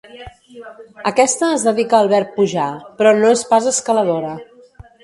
Aquesta es dedica al verb pujar, però no és pas escaladora.